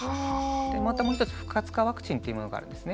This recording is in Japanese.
またもう一つ不活化ワクチンというものがあるんですね。